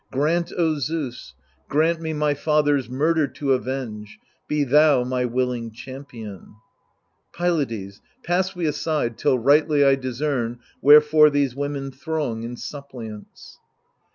Grant, O Zeus, Grant me my father's murder to avenge — Be thou my willing champion ! Pylades, Pass we aside, till rightly I discern Wherefore these women throng in suppliance.